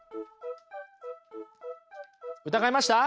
疑いました？